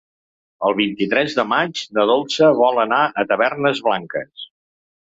El vint-i-tres de maig na Dolça vol anar a Tavernes Blanques.